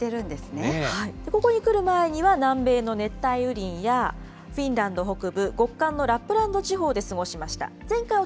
ここに来る前には南米の熱帯雨林や、フィンランド北部、極寒のラップランド地方で過ごしました。